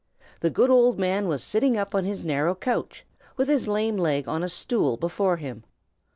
The good old man was sitting up on his narrow couch, with his lame leg on a stool before him.